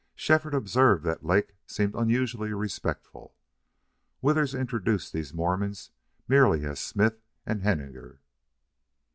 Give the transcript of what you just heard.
Shefford observed that Lake seemed unusually respectful. Withers introduced these Mormons merely as Smith and Henninger.